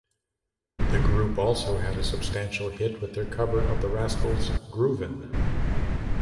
The group also had a substantial hit with their cover of the Rascals' "Groovin'".